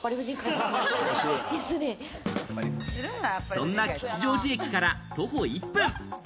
そんな吉祥寺駅から徒歩１分。